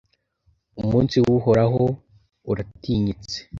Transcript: Umunsi w’Uhoraho, uratinyitse